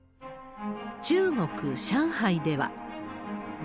中国・上海では。